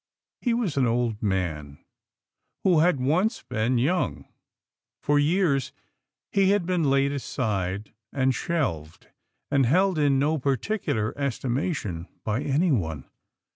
He was an old man who had once been young. For years he had been laid aside and shelved, and held in no particular estimation by anyone.